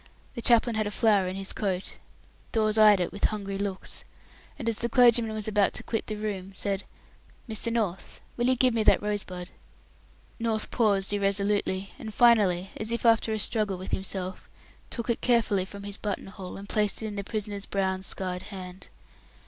The chaplain had a flower in his coat. Dawes eyed it with hungry looks, and, as the clergyman was about to quit the room, said, "Mr. North, will you give me that rosebud?" North paused irresolutely, and finally, as if after a struggle with himself, took it carefully from his button hole, and placed it in the prisoner's brown, scarred hand.